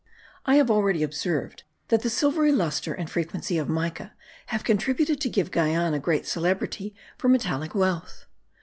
I have already observed that the silvery lustre and frequency of mica have contributed to give Guiana great celebrity for metallic wealth.